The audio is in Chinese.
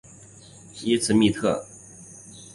伊兹密特。